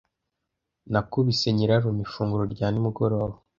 Nakubise nyirarume ifunguro rya nimugoroba.